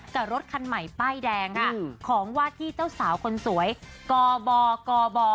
กับรถคันใหม่ป้ายแดงค่ะของวาดที่เจ้าสาวคนสวยกบกบ